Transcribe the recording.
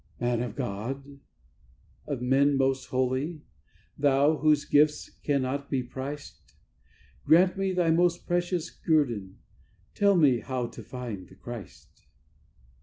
"Man of God, of men most holy, thou whose gifts cannot be priced! Grant me thy most precious guerdon; tell me how to find the Christ."